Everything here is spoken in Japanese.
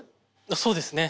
そうですね。